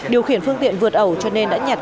điều khiển phương tiện vượt ẩu cho nên đã nhặt